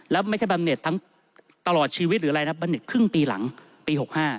แล้วไม่ใช่บำเน็ตทั้งตลอดชีวิตหรืออะไรนะบำเน็ตครึ่งปีหลังปี๖๕